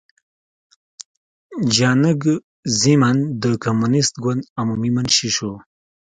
جیانګ زیمن د کمونېست ګوند عمومي منشي شو.